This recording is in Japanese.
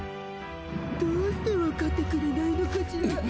どうして分かってくれないのかしら。